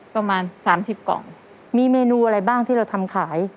ประมาณสามสิบกล่องมีเมนูอะไรบ้างที่เราทำขาย